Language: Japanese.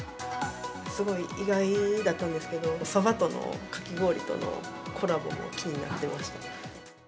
すごい意外だったんですけど、そばとのかき氷とのコラボも気になってました。